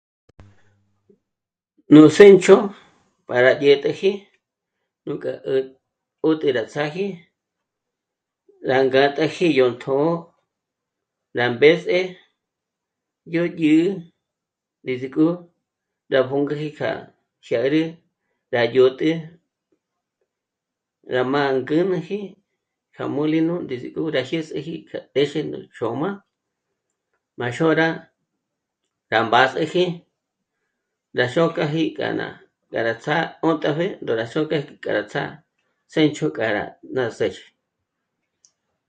Nú séncho para dyä̀t'äji nùkjá 'ä̀t'ä rá ts'áji rá ngá t'àji yó tjṓ'ō, rá mbḗs'e, yó dyǜ'ü ndíziko rá pǔnk'üji kja xêd'ü rá dyò'tje rá m'ângünüji kja molino ndís'iju rá jiês'eji kja 'és'e nú chö̌m'a m'á xôra kja mbàs'eji rá xòkjaji rá... rá ts'á'a 'ö̌tapjé ngó rá ts'á'a mbé kja ts'á'a séncho k'ârá ná xë́dyi